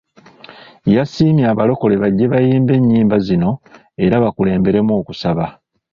Yasiimye Abalokole bajje bayimbe ennyimba zino era bakulemberemu okusaba.